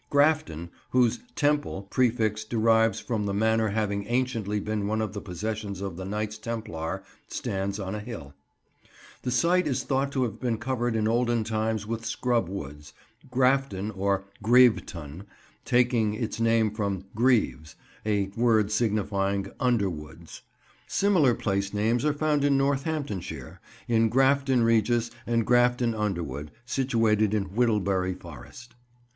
Grafton, whose "Temple" prefix derives from the manor having anciently been one of the possessions of the Knights Templar, stands on a hill. The site is thought to have been covered in olden times with scrub woods, "Grafton" or "Greveton," taking its name from "greves"; a word signifying underwoods. Similar place names are found in Northamptonshire, in Grafton Regis and Grafton Underwood, situated in Whittlebury Forest.